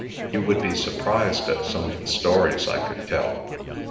You would be surprised at some of the stories I could tell.